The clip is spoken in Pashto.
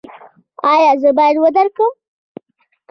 ایا زه باید ودریږم؟